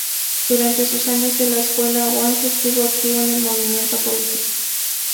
Durante sus años de escuela, Wang estuvo activo en el movimiento político.